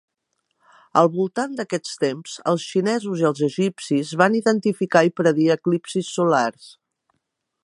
Al voltant d'aquests temps, els xinesos i els egipcis van identificar i predir eclipsis solars.